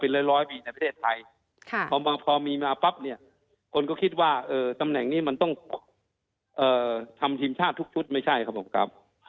เป็นร้อยปีในประเทศไทยพอมีมาปั๊บเนี่ยคนก็คิดว่าตำแหน่งนี้มันต้องทำทีมชาติทุกชุดไม่ใช่ครับผมครับ